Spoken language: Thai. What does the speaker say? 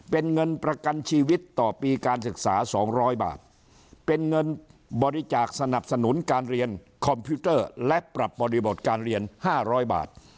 เป็นเงินประกันชีวิตต่อปีการศึกษา๒๐๐บาทเป็นเงินบริจาคสนับสนุนการเรียนคอมพิวเตอร์และปรับบริบทการเรียน๕๐๐บาท